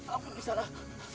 ampun kisah nak